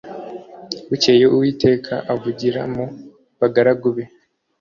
Bukeye uwiteka avugira mu bagaragu be